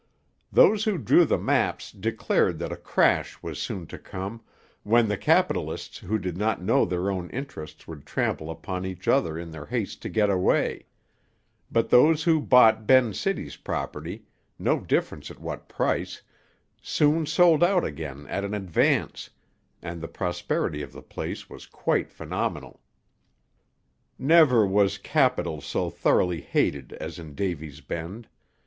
Those who drew the maps declared that a crash was soon to come, when the capitalists who did not know their own interests would trample upon each other in their haste to get away; but those who bought Ben's City property, no difference at what price, soon sold out again at an advance; and the prosperity of the place was quite phenomenal. Never was Capital so thoroughly hated as in Davy's Bend.